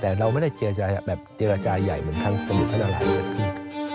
แต่เราไม่ได้เจรจาใหญ่เหมือนท่านพระนารายย์เกิดขึ้น